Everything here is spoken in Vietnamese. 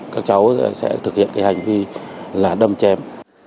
các cháu sẽ thực hiện cái hành vi là đâm chém